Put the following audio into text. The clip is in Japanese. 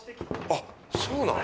あっ、そうなん？